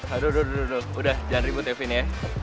aduh udah udah udah udah jangan ribut ya vinn ya